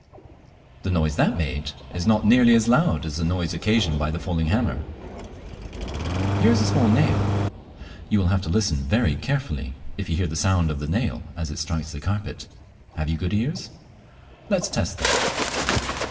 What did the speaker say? The noise that made is not nearly as loud as the noise occasioned by the falling hammer. Here is a small nail. You will have to listen very carefully if you hear the sound of the nail as it strikes the carpet. Have you good ears? Let us test them.